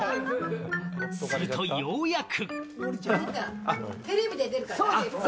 するとようやく。